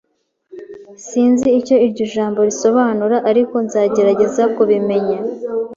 Sinzi icyo iryo jambo risobanura, ariko nzagerageza kubimenya.